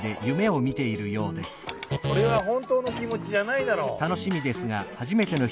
「それはほんとうの気もちじゃないだろう」。